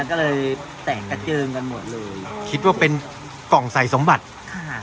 ก็เลยแตกกระเจิงกันหมดเลยคิดว่าเป็นกล่องใส่สมบัติค่ะ